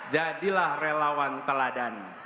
jadilah relawan teladan